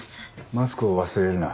マスクを忘れるな。